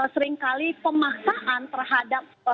seringkali pemangkasan terhadap